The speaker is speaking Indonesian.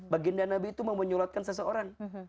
baginda nabi itu mau menyulatkan seseorang